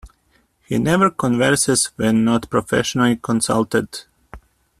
He never converses when not professionally consulted.